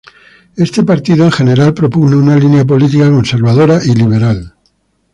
Este partido, en general, propugna una línea política conservadora y liberal.